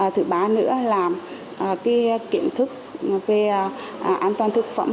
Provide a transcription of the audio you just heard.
thứ ba nữa là kiến thức về an toàn thực phẩm